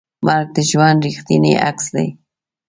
مرګ د ژوند ریښتینی عکس دی.